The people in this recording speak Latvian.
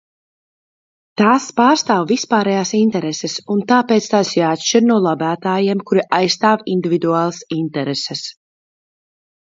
Tās pārstāv vispārējās intereses, un tāpēc tās jāatšķir no lobētājiem, kuri aizstāv individuālas intereses.